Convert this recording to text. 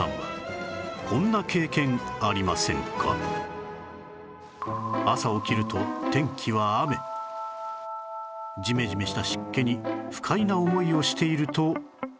皆さんは朝起きると天気は雨ジメジメした湿気に不快な思いをしていると